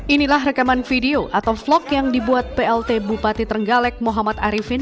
inilah rekaman video atau vlog yang dibuat plt bupati trenggalek muhammad arifin